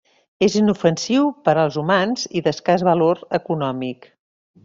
És inofensiu per als humans i d'escàs valor econòmic.